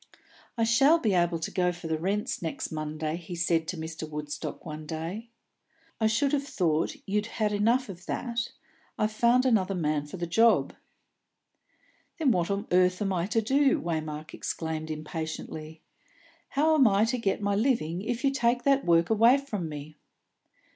"I shall be able to go for the rents next Monday," he said to Mr. Woodstock one day. "I should have thought you'd had enough of that. I've found another man for the job." "Then what on earth am I to do?" Waymark exclaimed impatiently. "How am I to get my living if you take that work away from me?"